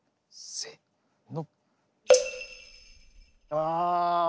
せの。